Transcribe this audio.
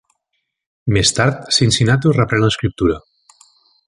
Més tard, Cincinnatus reprèn l'escriptura.